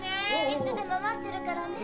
いつでも待ってるからね。